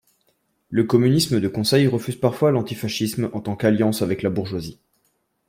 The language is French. Le communisme de conseils refuse parfois l'antifascisme en tant qu'alliance avec la bourgeoisie.